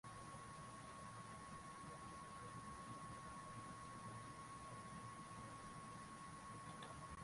mpito wa ubora wa hewa inayotumika sana katika miji mingi ya nchi